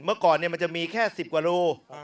เมื่อก่อนเนี่ยมันจะมีแค่สิบกว่ารู